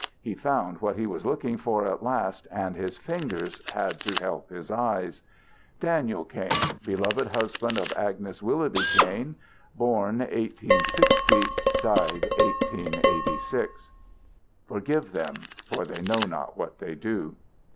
He found what he was looking for at last, and his fingers had to help his eyes. DANIEL KAIN Beloved Husband of Agnes Willoughby Kain Born 1860 Died 1886 Forgive them, for they know not what they do.